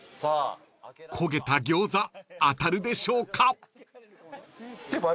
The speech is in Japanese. ［焦げた餃子当たるでしょうか］